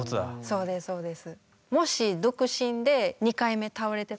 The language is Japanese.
そうですそうです。